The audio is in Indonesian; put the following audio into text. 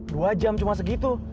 dua jam cuma segitu